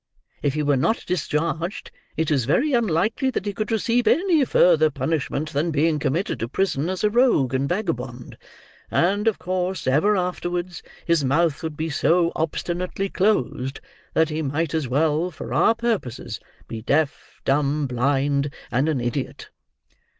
If he were not discharged, it is very unlikely that he could receive any further punishment than being committed to prison as a rogue and vagabond; and of course ever afterwards his mouth would be so obstinately closed that he might as well, for our purposes, be deaf, dumb, blind, and an idiot."